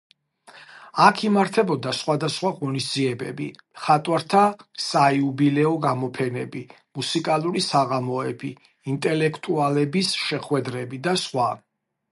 აქ იმართებოდა სხვადასხვა ღონისძიებები: მხატვართა საიუბილეო გამოფენები, მუსიკალური საღამოები, ინტელექტუალების შეხვედრები და სხვა.